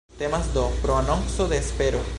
Temas, do, pro anonco de espero.